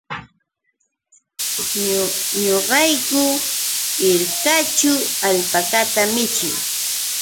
Ñuqayku hirkaćhu alpakata michii.